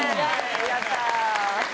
やった！